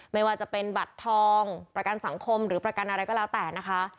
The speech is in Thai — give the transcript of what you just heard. ไม่ว่าจะเป็นบัตรทองประกันสังคมหรือประกันอะไรก็แล้วแต่นะคะ